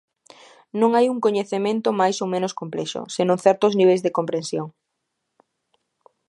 Non hai un coñecemento máis ou menos complexo, senón certos niveis de comprensión.